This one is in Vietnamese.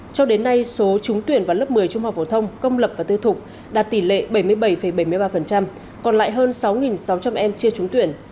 cho đến nay số trúng tuyển vào lớp một mươi trung học phổ thông công lập và tư thục đạt tỷ lệ bảy mươi bảy bảy mươi ba còn lại hơn sáu sáu trăm linh em chưa trúng tuyển